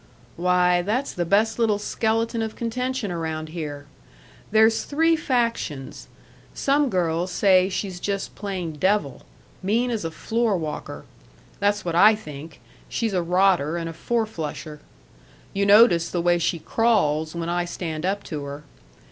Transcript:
"Why, that's the best little skeleton of contention around here. There's three factions. Some girls say she's just plain devil mean as a floor walker. That's what I think she's a rotter and a four flusher. You notice the way she crawls when I stand up to her.